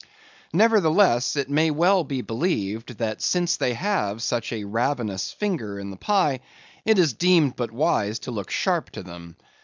Nevertheless, it may well be believed that since they have such a ravenous finger in the pie, it is deemed but wise to look sharp to them.